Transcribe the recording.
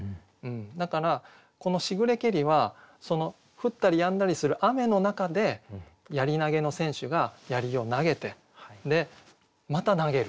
だからこの「しぐれけり」は降ったりやんだりする雨の中で槍投げの選手が槍を投げてまた投げる。